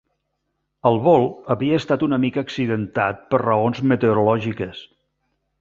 El vol havia estat una mica accidentat per raons meteorològiques.